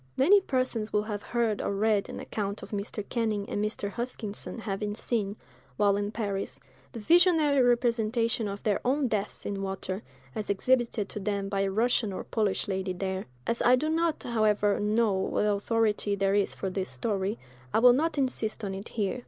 Many persons will have heard or read an account of Mr. Canning and Mr. Huskisson having seen, while in Paris, the visionary representation of their own deaths in water, as exhibited to them by a Russian or Polish lady there: as I do not, however, know what authority there is for this story, I will not insist on it here.